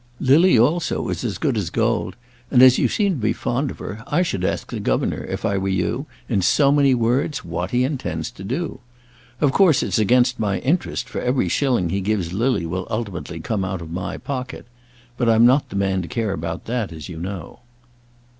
Lily, also, is as good as gold; and, as you seem to be fond of her, I should ask the governor, if I were you, in so many words, what he intends to do. Of course, it's against my interest, for every shilling he gives Lily will ultimately come out of my pocket. But I'm not the man to care about that, as you know."